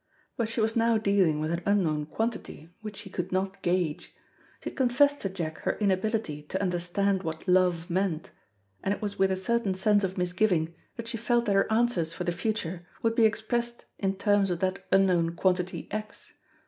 But she was now dealing with an unknown quantity, which she could not gauge. She had confessed to Jack her inability to understand what love meant, and it was with a certain sense of misgiving that she felt that her answers for the future would be expressed in terms of that unknown quantity "x."